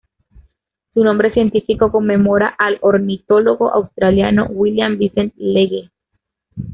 Su nombre científico conmemora al ornitólogo australiano William Vincent Legge.